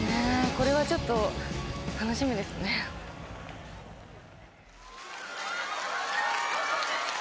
これはちょっと楽しみですね匠海！